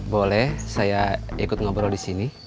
boleh saya ikut ngobrol di sini